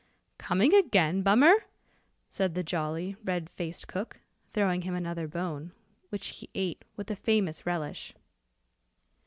"Coming again, Bummer?" said the jolly, red faced cook, throwing him another bone, which he ate with a famous relish.